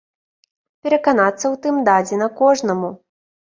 Пераканацца ў тым дадзена кожнаму.